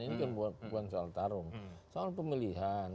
ini kan bukan soal tarung soal pemilihan